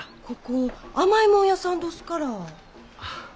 ここ甘いもん屋さんどすから。